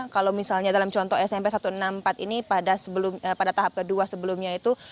kalau misalnya dalam contoh smp satu ratus enam puluh empat ini pada tahap kedua sebelumnya itu